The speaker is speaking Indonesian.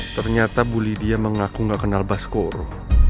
ternyata bu lidia mengaku gak kenal baskoro